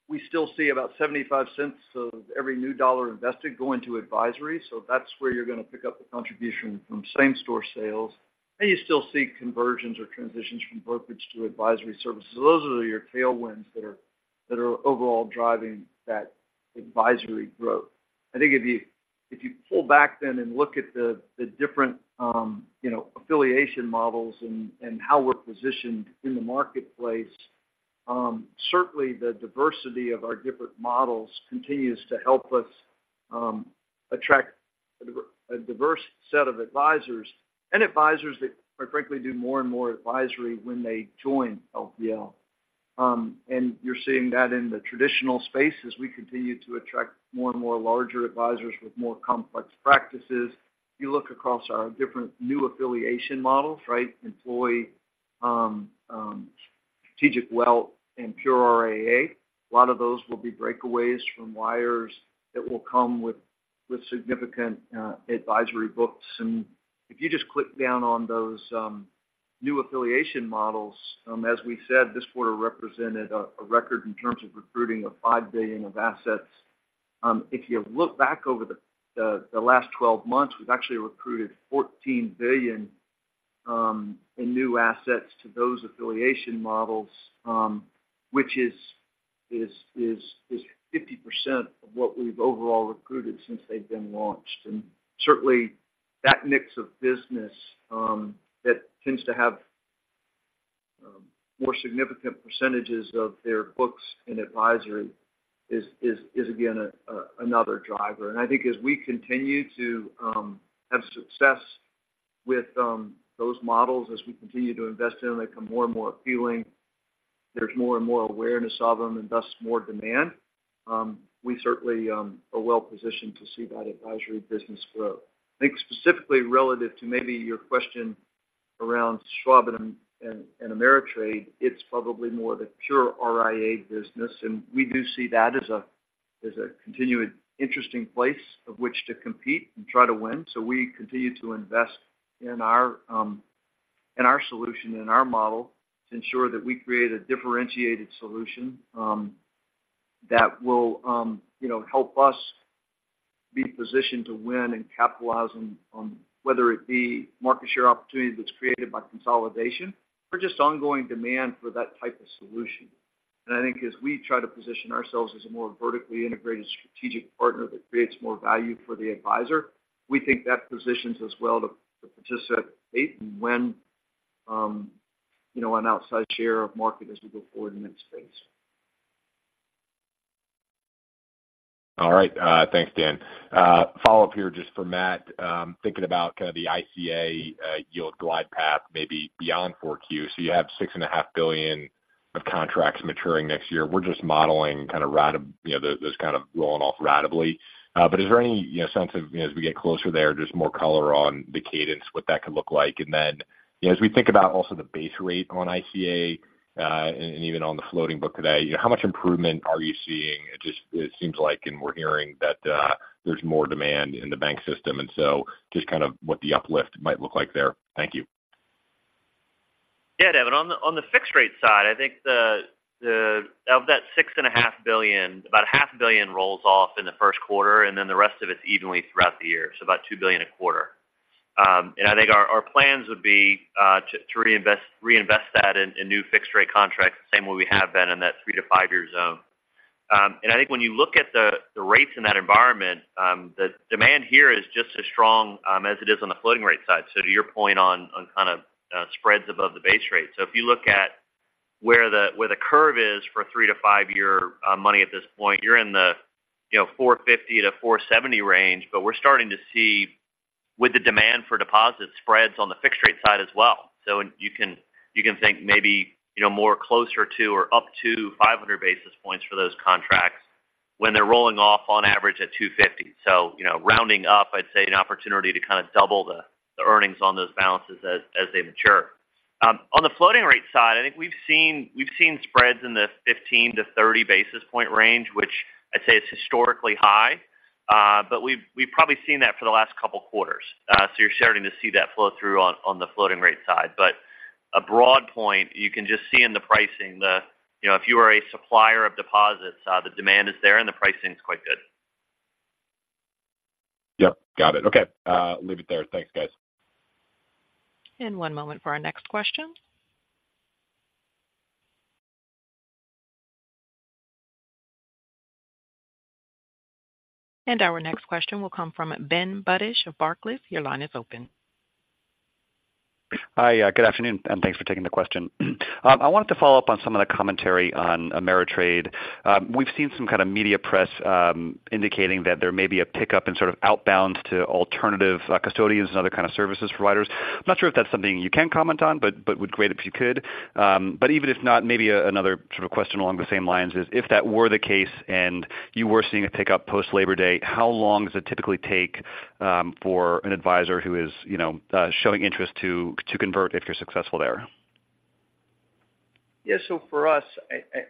[SPEAKER 2] we still see about $0.75 of every new dollar invested going to advisory. That's where you're going to pick up the contribution from same-store sales. You still see conversions or transitions from brokerage to advisory services. Those are your tailwinds that are overall driving that advisory growth. I think if you, if you pull back then and look at the different, you know, affiliation models and how we're positioned in the marketplace, certainly the diversity of our different models continues to help us attract a diverse set of advisors and advisors that, quite frankly, do more and more advisory when they join LPL. And you're seeing that in the traditional space as we continue to attract more and more larger advisors with more complex practices. You look across our different new affiliation models, right? Employee, strategic wealth, and pure RIA, a lot of those will be breakaways from wires that will come with significant advisory books. If you just click down on those new affiliation models, as we said, this quarter represented a record in terms of recruiting of $5 billion of assets. If you look back over the last 12 months, we've actually recruited $14 billion in new assets to those affiliation models, which is 50% of what we've overall recruited since they've been launched. And certainly, that mix of business that tends to have more significant percentages of their books in advisory is again another driver. And I think as we continue to have success with those models, as we continue to invest in them, they become more and more appealing. There's more and more awareness of them and thus more demand. We certainly are well positioned to see that advisory business grow. I think specifically relative to maybe your question around Schwab and Ameritrade, it's probably more the pure RIA business, and we do see that as a continued interesting place of which to compete and try to win. So we continue to invest in our solution and our model to ensure that we create a differentiated solution that will, you know, help us be positioned to win and capitalize on whether it be market share opportunity that's created by consolidation or just ongoing demand for that type of solution. I think as we try to position ourselves as a more vertically integrated strategic partner that creates more value for the advisor, we think that positions us well to participate and win, you know, an outsized share of market as we go forward in that space.
[SPEAKER 6] All right, thanks, Dan. Follow-up here just for Matt. Thinking about kind of the ICA yield glide path, maybe beyond 4Q. So you have $6.5 billion of contracts maturing next year. We're just modeling kind of ratably, you know, those kind of rolling off ratably. But is there any, you know, sense of, you know, as we get closer there, just more color on the cadence, what that could look like? And then, you know, as we think about also the base rate on ICA, and even on the floating book today, how much improvement are you seeing? It just seems like, and we're hearing that, there's more demand in the bank system, and so just kind of what the uplift might look like there. Thank you.
[SPEAKER 3] Yeah, Devin, on the fixed rate side, I think of that $6.5 billion, about $500 million rolls off in the first quarter, and then the rest of it's evenly throughout the year. About $2 billion a quarter. I think our plans would be to reinvest that in new fixed rate contracts, the same way we have been in that three to five year zone. I think when you look at the rates in that environment, the demand here is just as strong as it is on the floating rate side. To your point on kind of spreads above the base rate. So if you look at where the curve is for a 3- to 5-year money at this point, you're in the, you know, 4.50-4.70 range, but we're starting to see with the demand for deposit spreads on the fixed rate side as well. So you can think maybe, you know, more closer to or up to 500 basis points for those contracts when they're rolling off on average at 250. So, you know, rounding up, I'd say an opportunity to kind of double the earnings on those balances as they mature. On the floating rate side, I think we've seen spreads in the 15- to 30-basis point range, which I'd say is historically high. But we've probably seen that for the last couple of quarters. So you're starting to see that flow through on the floating rate side. But a broad point, you can just see in the pricing, the, you know, if you are a supplier of deposits, the demand is there and the pricing is quite good.
[SPEAKER 6] Yep, got it. Okay, leave it there. Thanks, guys.
[SPEAKER 1] One moment for our next question. Our next question will come from Ben Budish of Barclays. Your line is open.
[SPEAKER 7] Hi, good afternoon, and thanks for taking the question. I wanted to follow up on some of the commentary on Ameritrade. We've seen some kind of media press indicating that there may be a pickup in sort of outbounds to alternative custodians and other kind of services providers. I'm not sure if that's something you can comment on, but would be great if you could. But even if not, maybe another sort of question along the same lines is: If that were the case and you were seeing a pickup post Labor Day, how long does it typically take for an advisor who is, you know, showing interest to convert, if you're successful there?
[SPEAKER 2] Yes, so for us,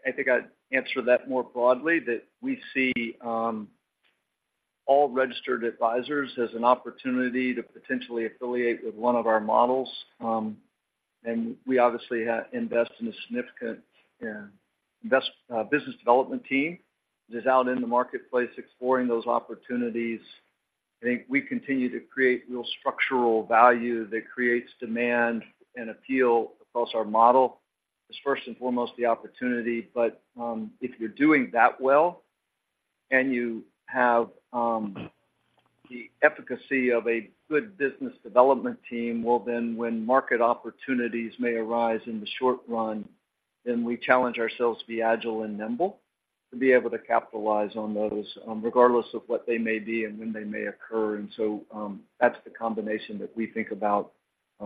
[SPEAKER 2] I think I'd answer that more broadly, that we see all registered advisors as an opportunity to potentially affiliate with one of our models. And we obviously have invested in a significant business development team that is out in the marketplace exploring those opportunities. I think we continue to create real structural value that creates demand and appeal across our model. It's first and foremost the opportunity, but if you're doing that well and you have the efficacy of a good business development team, well, then when market opportunities may arise in the short run, then we challenge ourselves to be agile and nimble, to be able to capitalize on those, regardless of what they may be and when they may occur. And so, that's the combination that we think about,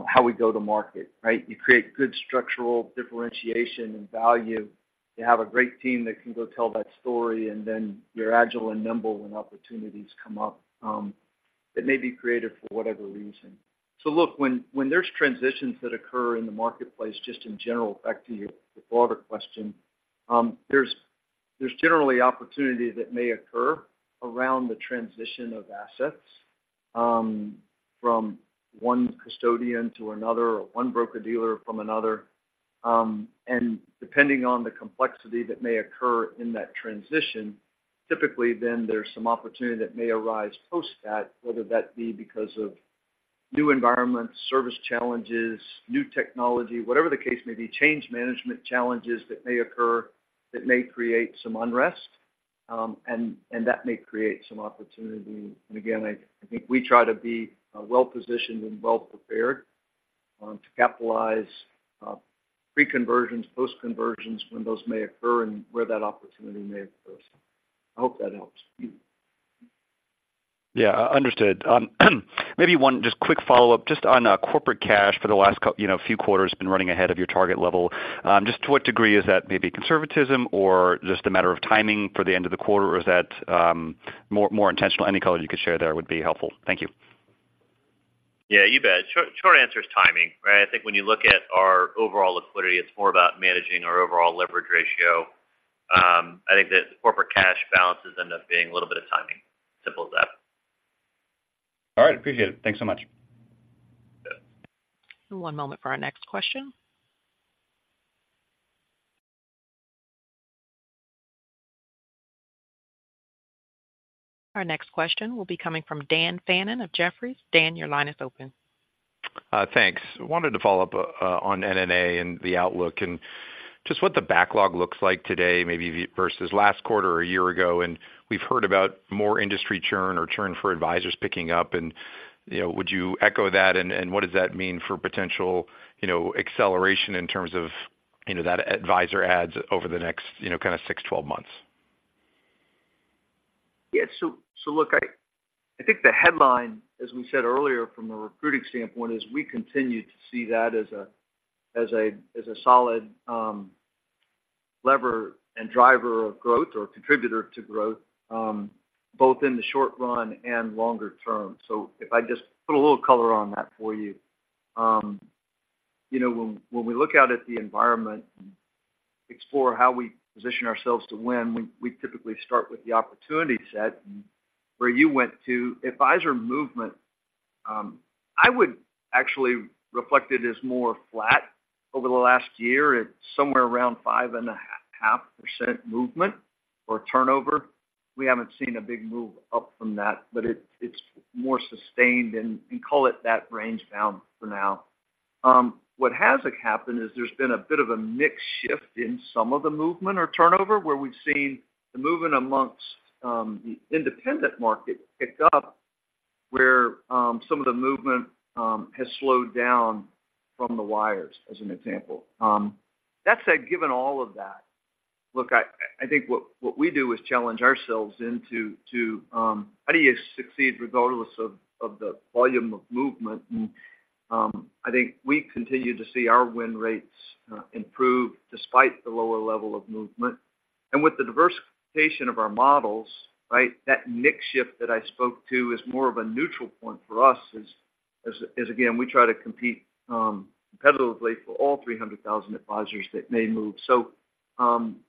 [SPEAKER 2] how we go to market, right? You create good structural differentiation and value. You have a great team that can go tell that story, and then you're agile and nimble when opportunities come up, that may be created for whatever reason. So look, when there's transitions that occur in the marketplace, just in general, back to your broader question, there's generally opportunity that may occur around the transition of assets, from one custodian to another, or one broker-dealer from another. And depending on the complexity that may occur in that transition, typically then there's some opportunity that may arise post that, whether that be because of new environments, service challenges, new technology, whatever the case may be, change management challenges that may occur, that may create some unrest, and that may create some opportunity. And again, I think we try to be well-positioned and well-prepared to capitalize pre-conversions, post-conversions, when those may occur and where that opportunity may occur. I hope that helps.
[SPEAKER 7] Yeah, understood. Maybe one just quick follow-up, just on corporate cash for the last few quarters been running ahead of your target level. Just to what degree is that maybe conservatism or just a matter of timing for the end of the quarter? Or is that more intentional? Any color you could share there would be helpful. Thank you....
[SPEAKER 3] Yeah, you bet. Short, short answer is timing, right? I think when you look at our overall liquidity, it's more about managing our overall leverage ratio. I think that the corporate cash balances end up being a little bit of timing. Simple as that.
[SPEAKER 7] All right, appreciate it. Thanks so much.
[SPEAKER 3] Yeah.
[SPEAKER 1] One moment for our next question. Our next question will be coming from Dan Fannon of Jefferies. Dan, your line is open.
[SPEAKER 8] Thanks. I wanted to follow up on NNA and the outlook, and just what the backlog looks like today, maybe versus last quarter or a year ago. And we've heard about more industry churn or churn for advisors picking up, and, you know, would you echo that? And what does that mean for potential, you know, acceleration in terms of, you know, that advisor adds over the next, you know, kind of 6, 12 months?
[SPEAKER 2] Yeah. Look, I think the headline, as we said earlier from a recruiting standpoint, is we continue to see that as a solid lever and driver of growth or contributor to growth, both in the short run and longer term. If I just put a little color on that for you. You know, when we look out at the environment and explore how we position ourselves to win, we typically start with the opportunity set. Where you went to, advisor movement, I would actually reflect it as more flat over the last year. It's somewhere around 5.5% movement or turnover. We haven't seen a big move up from that, but it's more sustained, and we call it that range bound for now. What has happened is there's been a bit of a mix shift in some of the movement or turnover, where we've seen the movement amongst the independent market pick up, where some of the movement has slowed down from the wires, as an example. That said, given all of that, look, I think what we do is challenge ourselves into to how do you succeed regardless of the volume of movement? And I think we continue to see our win rates improve despite the lower level of movement. And with the diversification of our models, right, that mix shift that I spoke to is more of a neutral point for us, as again, we try to compete competitively for all 300,000 advisors that may move. So,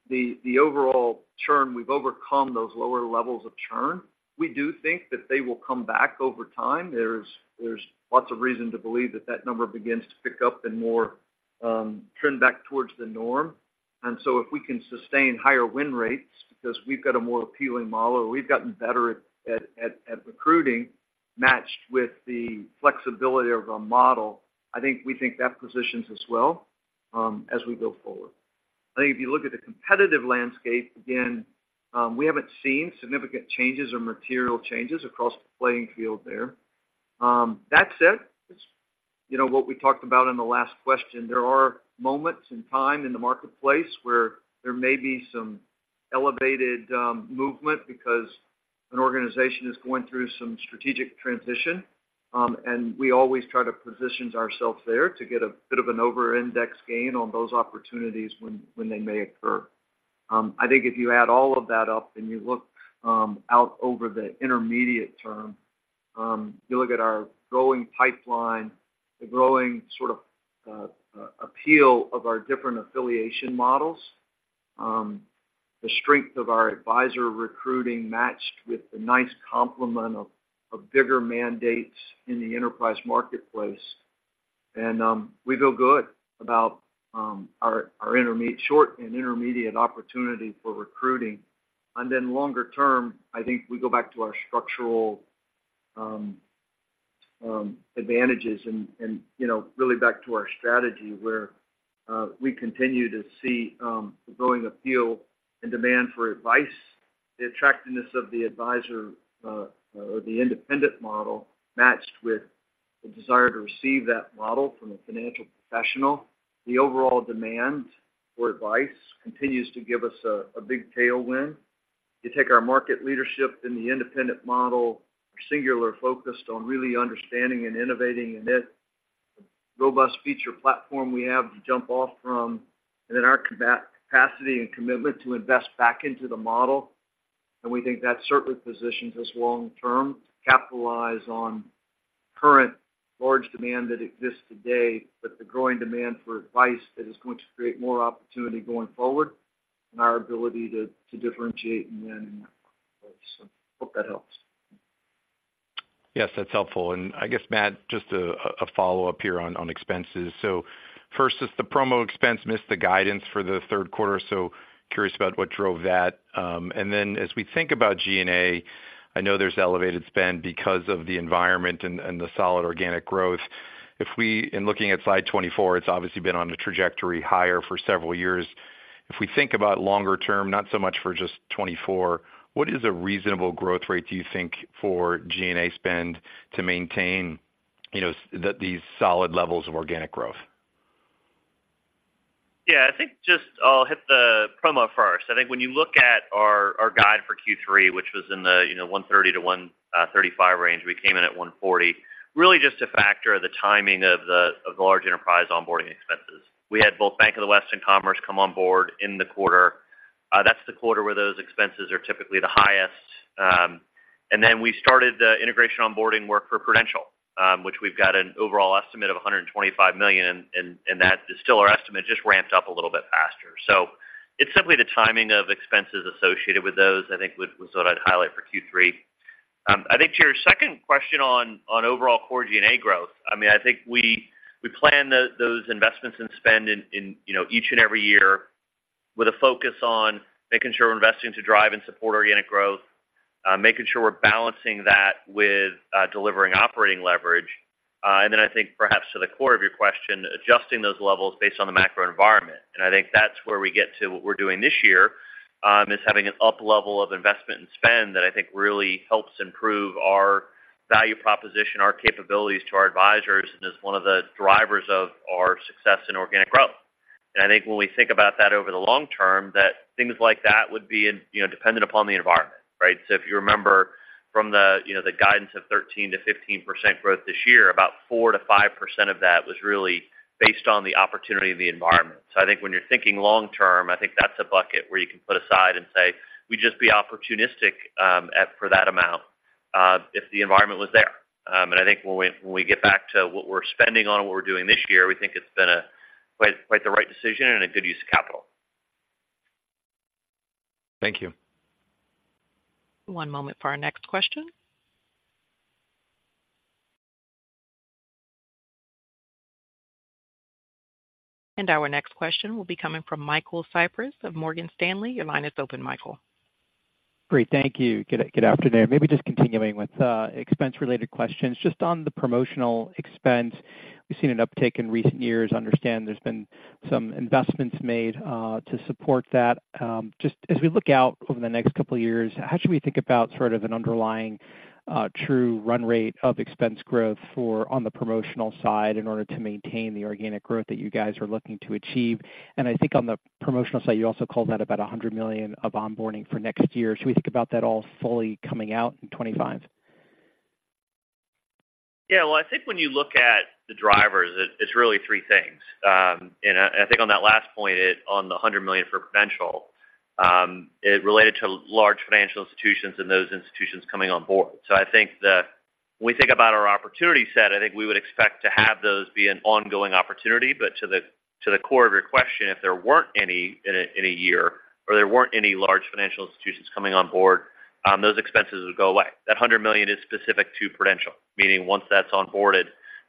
[SPEAKER 2] the overall churn, we've overcome those lower levels of churn. We do think that they will come back over time. There's lots of reason to believe that that number begins to pick up and more trend back towards the norm. And so if we can sustain higher win rates because we've got a more appealing model, or we've gotten better at recruiting, matched with the flexibility of our model, I think we think that positions us well, as we go forward. I think if you look at the competitive landscape, again, we haven't seen significant changes or material changes across the playing field there. That said, it's, you know, what we talked about in the last question, there are moments in time in the marketplace where there may be some elevated movement because an organization is going through some strategic transition. And we always try to position ourselves there to get a bit of an overindex gain on those opportunities when they may occur. I think if you add all of that up and you look out over the intermediate term, you look at our growing pipeline, the growing sort of appeal of our different affiliation models, the strength of our advisor recruiting matched with the nice complement of bigger mandates in the enterprise marketplace. We feel good about our short and intermediate opportunity for recruiting. And then longer term, I think we go back to our structural advantages and, you know, really back to our strategy, where we continue to see the growing appeal and demand for advice, the attractiveness of the advisor or the independent model, matched with the desire to receive that model from a financial professional. The overall demand for advice continues to give us a big tailwind. You take our market leadership in the independent model, singular focused on really understanding and innovating in it, the robust feature platform we have to jump off from, and then our capacity and commitment to invest back into the model, and we think that certainly positions us long term to capitalize on current large demand that exists today, but the growing demand for advice that is going to create more opportunity going forward and our ability to differentiate and win. So hope that helps.
[SPEAKER 8] Yes, that's helpful. And I guess, Matt, just a follow-up here on expenses. So first, is the promo expense missed the guidance for the third quarter? So curious about what drove that. And then as we think about G&A, I know there's elevated spend because of the environment and the solid organic growth. If we... In looking at slide 24, it's obviously been on a trajectory higher for several years. If we think about longer term, not so much for just 24, what is a reasonable growth rate, do you think, for G&A spend to maintain, you know, these solid levels of organic growth?
[SPEAKER 3] Yeah, I think just I'll hit the promo first. I think when you look at our, our guide for Q3, which was in the, you know, 130-135 range, we came in at 140, really just a factor of the timing of the, of the large enterprise onboarding expense. We had both Bank of the West and Commerce come on board in the quarter. That's the quarter where those expenses are typically the highest. And then we started the integration onboarding work for Prudential, which we've got an overall estimate of $125 million, and that is still our estimate, just ramped up a little bit faster. So it's simply the timing of expenses associated with those, I think, would, was what I'd highlight for Q3. I think to your second question on overall core G&A growth, I mean, I think we plan those investments and spend in you know each and every year with a focus on making sure we're investing to drive and support organic growth, making sure we're balancing that with delivering operating leverage. And then I think perhaps to the core of your question, adjusting those levels based on the macro environment. And I think that's where we get to what we're doing this year is having an up-level of investment and spend that I think really helps improve our value proposition, our capabilities to our advisors, and is one of the drivers of our success in organic growth. I think when we think about that over the long term, that things like that would be in, you know, dependent upon the environment, right? So if you remember from the, you know, the guidance of 13%-15% growth this year, about 4%-5% of that was really based on the opportunity of the environment. So I think when you're thinking long term, I think that's a bucket where you can put aside and say: We'd just be opportunistic at for that amount if the environment was there. And I think when we, when we get back to what we're spending on and what we're doing this year, we think it's been a quite, quite the right decision and a good use of capital.
[SPEAKER 8] Thank you.
[SPEAKER 1] One moment for our next question. Our next question will be coming from Michael Cyprys of Morgan Stanley. Your line is open, Michael.
[SPEAKER 9] Great. Thank you. Good afternoon. Maybe just continuing with expense-related questions. Just on the promotional expense, we've seen an uptick in recent years. Understand there's been some investments made to support that. Just as we look out over the next couple of years, how should we think about sort of an underlying, true run rate of expense growth for on the promotional side in order to maintain the organic growth that you guys are looking to achieve? I think on the promotional side, you also called that about $100 million of onboarding for next year. Should we think about that all fully coming out in 2025?
[SPEAKER 3] Yeah. Well, I think when you look at the drivers, it, it's really three things. And I, and I think on that last point, it on the $100 million for Prudential, it related to large financial institutions and those institutions coming on board. So I think the, when we think about our opportunity set, I think we would expect to have those be an ongoing opportunity. But to the, to the core of your question, if there weren't any in a, in a year or there weren't any large financial institutions coming on board, those expenses would go away. That $100 million is specific to Prudential. Meaning, once that's onboarded,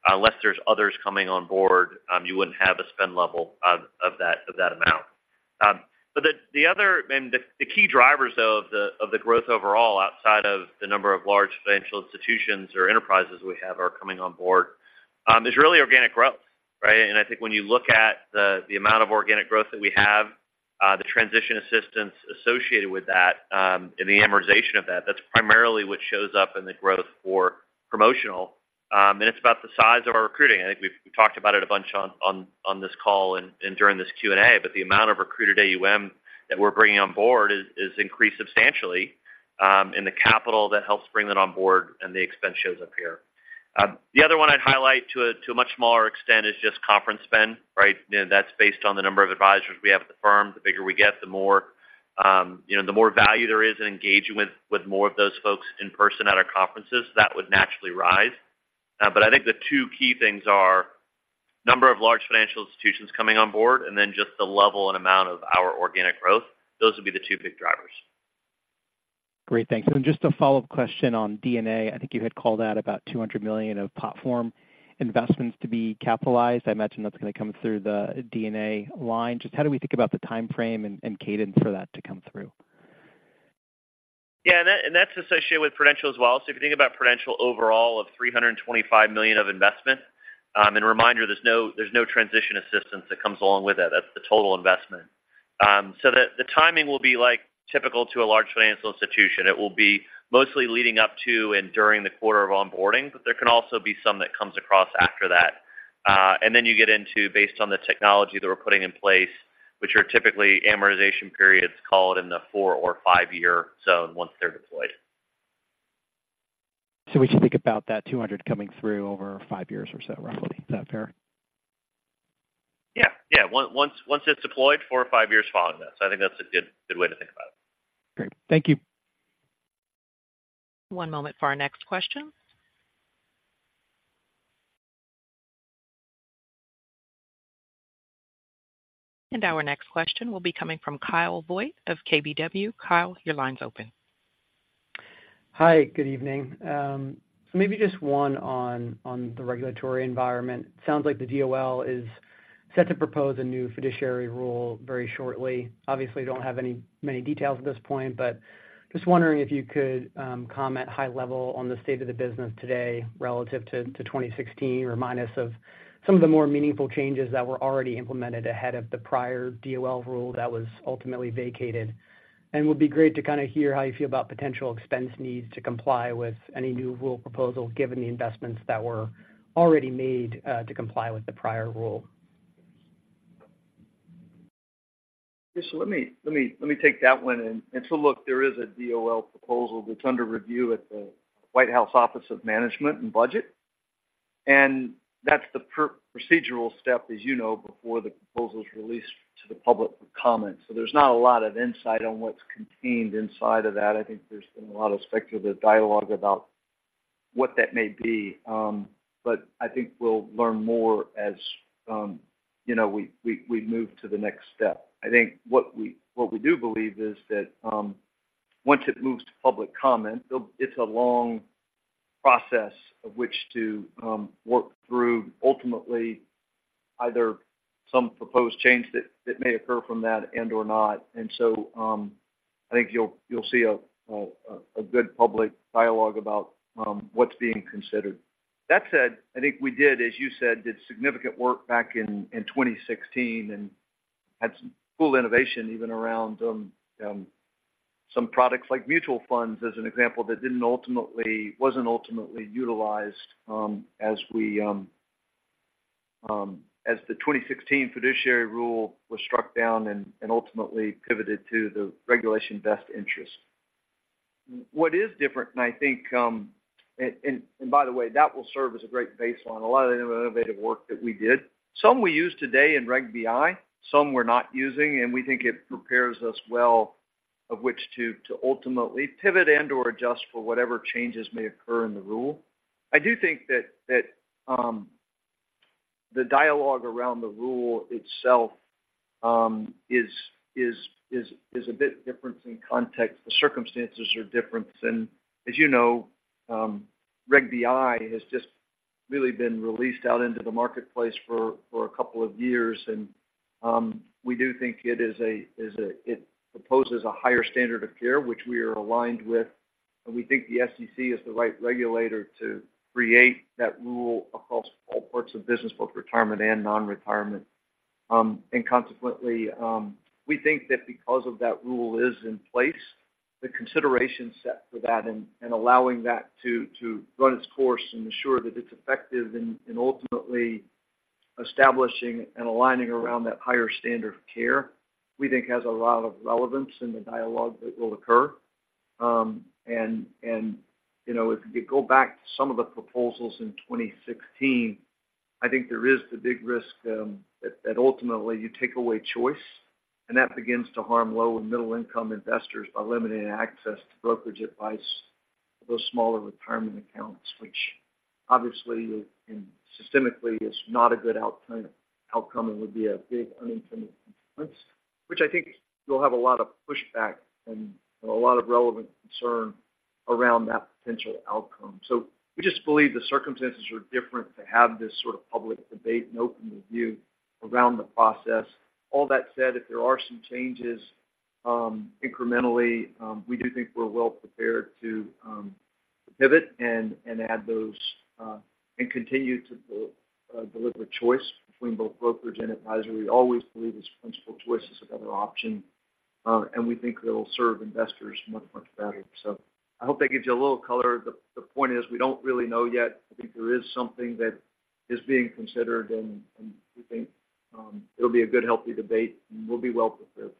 [SPEAKER 3] unless there's others coming on board, you wouldn't have a spend level of, of that, of that amount. But the other and the key drivers, though, of the growth overall, outside of the number of large financial institutions or enterprises we have are coming on board, is really organic growth, right? And I think when you look at the amount of organic growth that we have, the transition assistance associated with that, and the amortization of that, that's primarily what shows up in the growth for promotional. And it's about the size of our recruiting. I think we've talked about it a bunch on this call and during this Q&A, but the amount of recruited AUM that we're bringing on board is increased substantially, and the capital that helps bring that on board, and the expense shows up here. The other one I'd highlight to a much smaller extent is just conference spend, right? You know, that's based on the number of advisors we have at the firm. The bigger we get, the more, you know, the more value there is in engaging with more of those folks in person at our conferences. That would naturally rise. But I think the two key things are number of large financial institutions coming on board, and then just the level and amount of our organic growth. Those would be the two big drivers.
[SPEAKER 9] Great. Thanks. And just a follow-up question on NNA. I think you had called out about $200 million of platform investments to be capitalized. I imagine that's going to come through the NNA line. Just how do we think about the timeframe and, and cadence for that to come through?
[SPEAKER 3] Yeah, and that, and that's associated with Prudential as well. So if you think about Prudential overall of $325 million of investment, and a reminder, there's no, there's no transition assistance that comes along with it. That's the total investment. So the, the timing will be like typical to a large financial institution. It will be mostly leading up to and during the quarter of onboarding, but there can also be some that comes across after that. And then you get into based on the technology that we're putting in place, which are typically amortization periods called in the 4- or 5-year zone once they're deployed.
[SPEAKER 9] So we should think about that $200 coming through over five years or so, roughly. Is that fair?
[SPEAKER 3] Yeah. Yeah. Once it's deployed, four or five years following that. So I think that's a good, good way to think about it.
[SPEAKER 9] Great. Thank you.
[SPEAKER 1] One moment for our next question. Our next question will be coming from Kyle Voigt of KBW. Kyle, your line's open.
[SPEAKER 10] Hi, good evening. So maybe just one on the regulatory environment. Sounds like the DOL is set to propose a new fiduciary rule very shortly. Obviously, don't have many details at this point, but just wondering if you could comment high level on the state of the business today relative to 2016 or minus of some of the more meaningful changes that were already implemented ahead of the prior DOL rule that was ultimately vacated. And would be great to kind of hear how you feel about potential expense needs to comply with any new rule proposal, given the investments that were already made to comply with the prior rule.
[SPEAKER 2] Yes, so let me take that one in. And so look, there is a DOL proposal that's under review at the White House Office of Management and Budget, and that's the procedural step, as you know, before the proposal is released to the public for comment. So there's not a lot of insight on what's contained inside of that. I think there's been a lot of speculative dialogue about what that may be. But I think we'll learn more as, you know, we move to the next step. I think what we do believe is that, once it moves to public comment, it'll. It's a long process of which to work through, ultimately, either some proposed change that may occur from that and or not. And so, I think you'll see a good public dialogue about what's being considered. That said, I think we did, as you said, significant work back in 2016 and had some cool innovation, even around some products like mutual funds, as an example, that wasn't ultimately utilized, as the 2016 fiduciary rule was struck down and ultimately pivoted to the Regulation Best Interest. What is different, and I think... And, by the way, that will serve as a great baseline. A lot of the innovative work that we did, some we use today in Reg BI, some we're not using, and we think it prepares us well, of which to ultimately pivot and or adjust for whatever changes may occur in the rule. I do think that the dialogue around the rule itself is a bit different in context. The circumstances are different. And as you know, Reg BI has just really been released out into the marketplace for a couple of years. And we do think it proposes a higher standard of care, which we are aligned with, and we think the SEC is the right regulator to create that rule across all parts of business, both retirement and non-retirement. And consequently, we think that because of that rule is in place, the consideration set for that and allowing that to run its course and ensure that it's effective in ultimately establishing and aligning around that higher standard of care, we think has a lot of relevance in the dialogue that will occur. You know, if you go back to some of the proposals in 2016, I think there is the big risk that ultimately you take away choice, and that begins to harm low and middle-income investors by limiting access to brokerage advice for those smaller retirement accounts, which obviously and systemically is not a good outcome, and would be a big unintended consequence, which I think you'll have a lot of pushback and a lot of relevant concern around that potential outcome. We just believe the circumstances are different to have this sort of public debate and open review around the process. All that said, if there are some changes incrementally, we do think we're well prepared to pivot and add those, and continue to deliver choice between both brokerage and advisory. We always believe its principal choice is another option, and we think it'll serve investors much, much better. So I hope that gives you a little color. The point is, we don't really know yet. I think there is something that is being considered, and we think it'll be a good, healthy debate, and we'll be well prepared.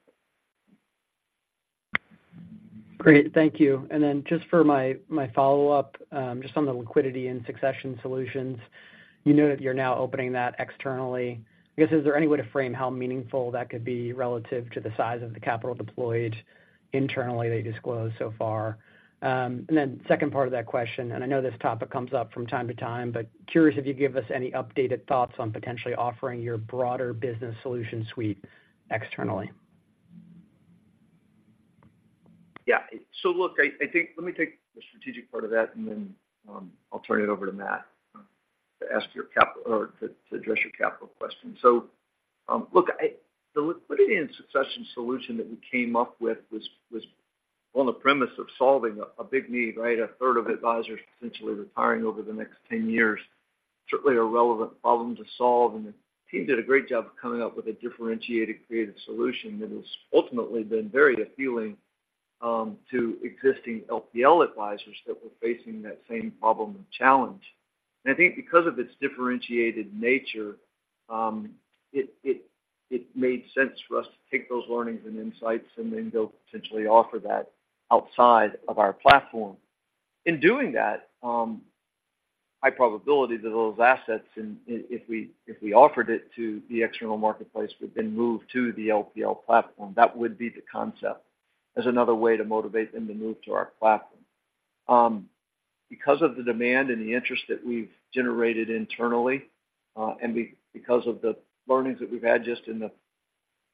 [SPEAKER 10] Great, thank you. Then just for my follow-up, just on the Liquidity and Succession solutions, you know that you're now opening that externally. I guess, is there any way to frame how meaningful that could be relative to the size of the capital deployed internally that you disclosed so far? Then second part of that question, and I know this topic comes up from time to time, but curious if you'd give us any updated thoughts on potentially offering your broader business solution suite externally?
[SPEAKER 2] Yeah. So look, I think. Let me take the strategic part of that, and then I'll turn it over to Matt to address your capital question. So, look, the Liquidity and Succession solution that we came up with was on the premise of solving a big need, right? A third of advisors potentially retiring over the next 10 years. Certainly, a relevant problem to solve, and the team did a great job of coming up with a differentiated, creative solution that has ultimately been very appealing to existing LPL advisors that were facing that same problem and challenge. And I think because of its differentiated nature, it made sense for us to take those learnings and insights and then go potentially offer that outside of our platform. In doing that, high probability that those assets, and if we offered it to the external marketplace, would then move to the LPL platform. That would be the concept, as another way to motivate them to move to our platform. Because of the demand and the interest that we've generated internally, and because of the learnings that we've had just in the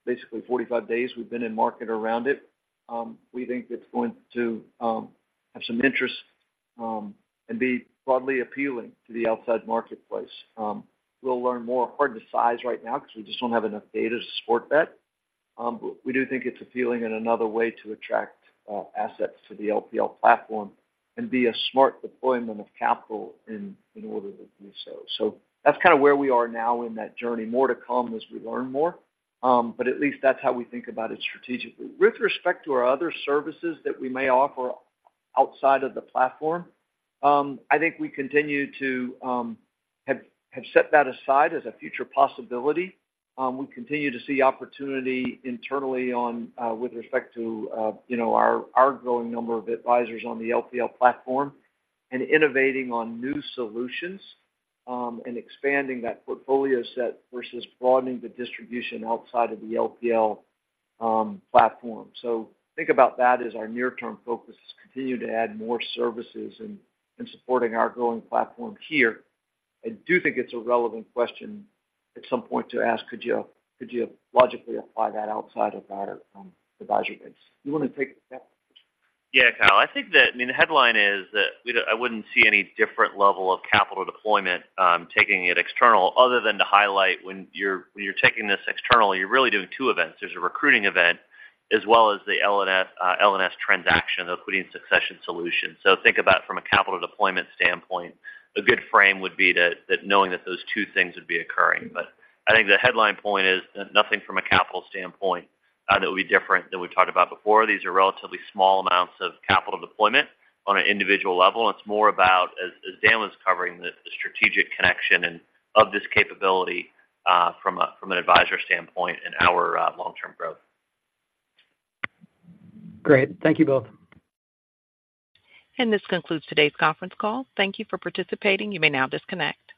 [SPEAKER 2] basically 45 days we've been in market around it, we think it's going to have some interest, and be broadly appealing to the outside marketplace. We'll learn more. Hard to size right now because we just don't have enough data to support that. But we do think it's appealing and another way to attract assets to the LPL platform and be a smart deployment of capital in order to do so. So that's kind of where we are now in that journey. More to come as we learn more, but at least that's how we think about it strategically. With respect to our other services that we may offer outside of the platform, I think we continue to have set that aside as a future possibility. We continue to see opportunity internally on with respect to you know, our growing number of advisors on the LPL platform and innovating on new solutions, and expanding that portfolio set versus broadening the distribution outside of the LPL platform. So think about that as our near-term focus, is continue to add more services and supporting our growing platform here. I do think it's a relevant question at some point to ask: Could you, could you logically apply that outside of our, advisory base?
[SPEAKER 10] You want to take the capital?
[SPEAKER 3] Yeah, Kyle, I think that, I mean, the headline is that we don't—I wouldn't see any different level of capital deployment, taking it external other than to highlight when you're taking this external, you're really doing two events. There's a recruiting event as well as the L&S, L&S transaction, the Liquidity and Succession solution. Think about from a capital deployment standpoint, a good frame would be that, that knowing that those two things would be occurring. I think the headline point is, nothing from a capital standpoint that would be different than we've talked about before. These are relatively small amounts of capital deployment on an individual level, and it's more about, as Dan was covering, the strategic connection and of this capability, from an advisor standpoint and our long-term growth.
[SPEAKER 10] Great. Thank you both.
[SPEAKER 1] This concludes today's conference call. Thank you for participating. You may now disconnect.